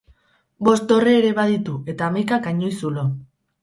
Bost dorre ere baditu eta hamaika kanoi zulo.